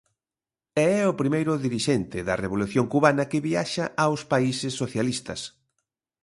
E é o primeiro dirixente da Revolución cubana que viaxa aos países socialistas.